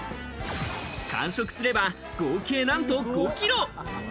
完食すれば合計なんと５キロ。